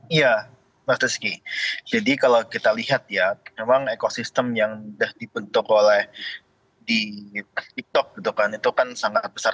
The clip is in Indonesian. iya mas rizky jadi kalau kita lihat ya memang ekosistem yang sudah dibentuk oleh di tiktok gitu kan itu kan sangat besar